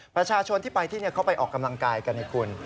ประชาชนที่ไปที่เขาไปออกกำลังกายกันให้คุณ